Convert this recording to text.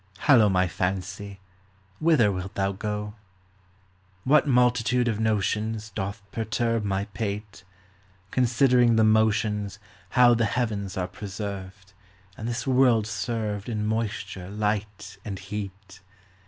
Hallo, my fancy, whither wilt thou go ? What multitude of notions Doth perturb my pate, Considering the motions, THE IMAGINATION. 7 How the heavens are preserved, And this world served In moisture, light, and heat